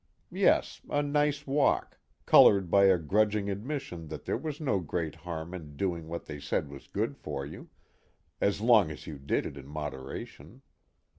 Yes, a nice walk, colored by a grudging admission that there was no great harm in doing what they said was good for you, so long as you did it in moderation.